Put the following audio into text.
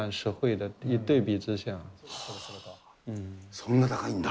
そんな高いんだ。